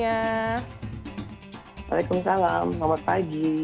waalaikumsalam selamat pagi